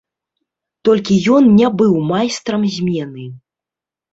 Толькі ён не быў майстрам змены.